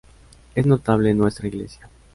Es notable nuestra Iglesia.